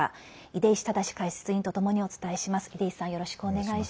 出石直解説委員とともにお伝えします。